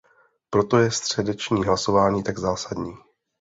Proto je středeční hlasování tak zásadní.